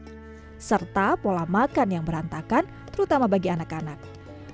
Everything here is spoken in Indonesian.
dan juga untuk kembali ke rumah sakit medis terang mengabaikan kesehatan tubuh karena padatnya aktivitas